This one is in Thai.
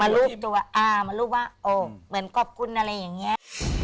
รูปตัวอ่ามารูปว่าโอ้เหมือนขอบคุณอะไรอย่างนี้